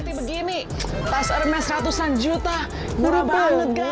tadi begini pas hermes ratusan juta berapa lagi